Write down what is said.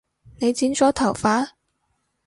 你剪咗頭髮？